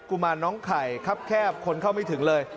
ุมารน้องไข่ครับแคบคนเข้าไม่ถึงเลย